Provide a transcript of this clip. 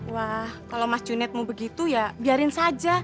wah kalau mas junet mau begitu ya biarin saja